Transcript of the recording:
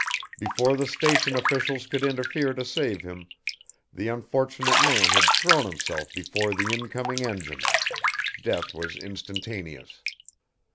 Before the station officials could interfere to save him, the unfortunate man had thrown himself before the incoming engine. Death was instantaneous.